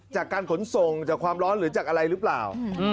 จากการขนส่งจากความร้อนหรือจากอะไรหรือเปล่า